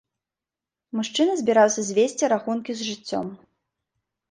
Мужчына збіраўся звесці рахункі з жыццём.